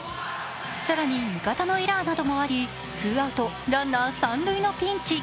更に味方のエラーなどもありツーアウト・ランナー三塁のピンチ。